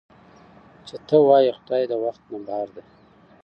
چې تۀ وائې خدائے د وخت نه بهر دے